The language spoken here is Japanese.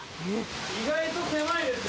意外と狭いですよ。